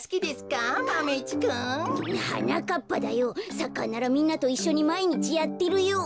サッカーならみんなといっしょにまいにちやってるよ。